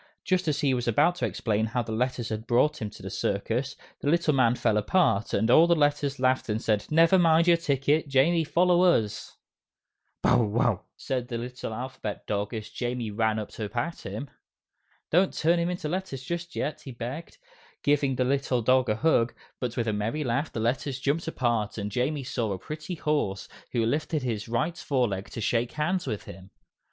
Just as he was about to explain how the Letters had brought him to the circus, the little man fell apart, and all the Letters laughed and said, "Never mind your ticket, Jamie follow us!" "Bow wow!" said the little Alphabet Dog as Jamie ran up to pat him. "Don't turn into letters just yet," he begged, giving the little dog a hug, but with a merry laugh the Letters jumped apart and Jamie saw a pretty horse, who lifted his right fore leg to shake hands with him.